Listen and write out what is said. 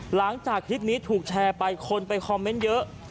หลังจากคลิปนี้ถูกแชร์ไปคนไปคอมเมนต์เยอะ